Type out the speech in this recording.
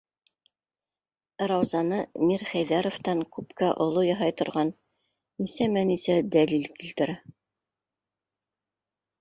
Раузаны Мирхәйҙәровтан күпкә оло яһай торған нисәмә нисә дәлил килтерә.